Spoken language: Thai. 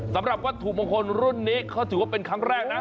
สำหรับวัตถุมงคลรุ่นนี้เขาถือว่าเป็นครั้งแรกนะ